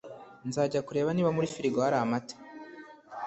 nzajya kureba niba muri firigo hari amata